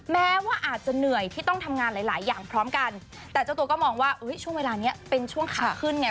แม้ว่าอาจจะเหนื่อยที่ต้องทำงานหลายหลายอย่างพร้อมกันแต่เจ้าตัวก็มองว่าช่วงเวลานี้เป็นช่วงขาขึ้นไง